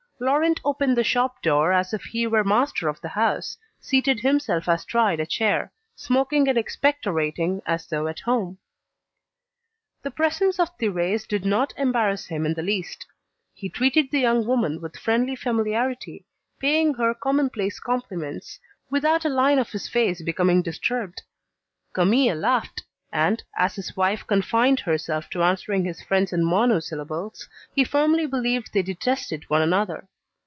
Laurent opened the shop door as if he were master of the house, seated himself astride a chair, smoking and expectorating as though at home. The presence of Thérèse did not embarrass him in the least. He treated the young woman with friendly familiarity, paying her commonplace compliments without a line of his face becoming disturbed. Camille laughed, and, as his wife confined herself to answering his friend in monosyllables, he firmly believed they detested one another.